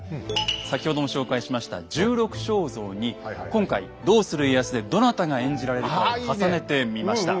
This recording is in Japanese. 先ほども紹介しました「十六将像」に今回「どうする家康」でどなたが演じられるかを重ねてみました。